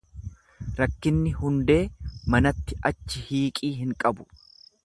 Rakkinni hundee manatti achi hiiqii hin qabu.